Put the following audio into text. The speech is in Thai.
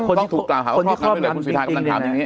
ต้องถูกกล่าวหาว่าชอบทำได้เลยคุณสิทธากำลังถามอย่างนี้